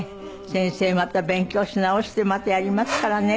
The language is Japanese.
先生また勉強し直してまたやりますからね」